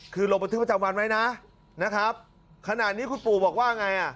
คือลงบันทึกประจำวันไว้นะนะครับขนาดนี้คุณปู่บอกว่าไงอ่ะ